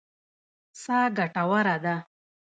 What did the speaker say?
سا ګټوره ده.